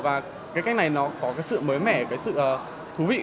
và cái cách này nó có sự mới mẻ sự thú vị